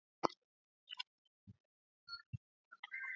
Ugonjwa huu hausababishi kifo